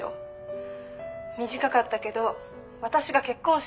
短かったけど私が結婚した相手でしょ。